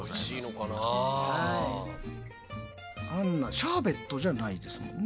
シャーベットじゃないですもんね。